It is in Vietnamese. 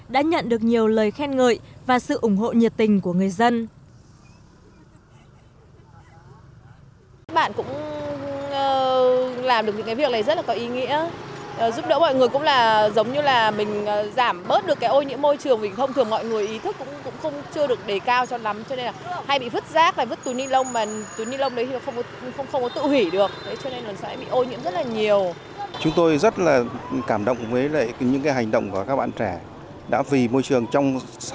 đã nhận được nhiều lời khen ngợi và sự ủng hộ nhiệt tình của người dân